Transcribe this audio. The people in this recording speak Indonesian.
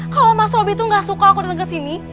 kalau mas robby tuh gak suka aku dateng ke sini